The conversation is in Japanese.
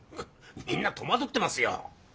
みんな戸惑ってますよ。